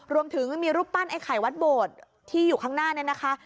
รวมถึงมีรูปปั้นไอ้ไข่วัดโบสถ์ที่อยู่ข้างหน้าเนี่ยนะคะ